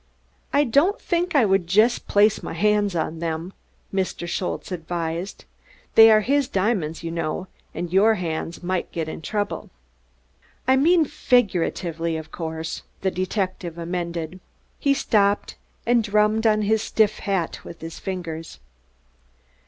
"I don'd d'ink I vould yust blace my hands on dem," Mr. Schultze advised. "Dey are his diamonds, you know, und your hands might ged in drouble." "I mean figuratively, of course," the detective amended. He stopped and drummed on his stiff hat with his fingers.